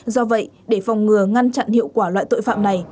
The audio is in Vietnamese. do vậy để phòng ngừa ngăn chặn hiệu quả loại tội phạm này